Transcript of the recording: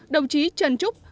đồng chí trần trúc